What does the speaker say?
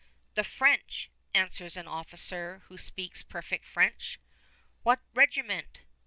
"The French," answers an officer, who speaks perfect French. "What regiment?"